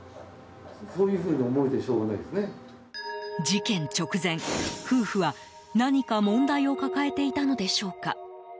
事件直前、夫婦は何か問題を抱えていたのでしょうか。